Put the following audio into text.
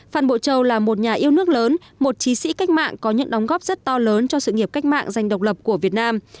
phan bộ châu là một nhà yêu nước lớn một chiến sĩ cách mạng có những đóng góp rất to lớn cho sự nghiệp cách mạng giành độc lập của việt nam